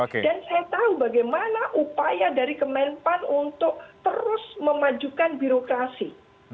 dan saya tahu bagaimana upaya dari kemenpan untuk terus memajukan birokrasi